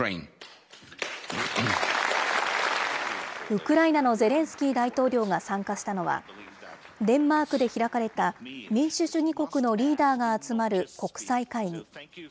ウクライナのゼレンスキー大統領が参加したのは、デンマークで開かれた、民主主義国のリーダーが集まる国際会議。